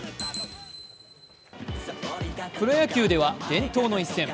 プロ野球では伝統の一戦。